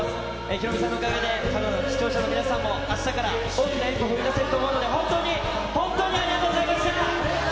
ヒロミさんのおかげでたぶん、視聴者の皆さんも、あしたから大きな一歩を踏み出せると思うので、本当に、本当にあありがとうございました。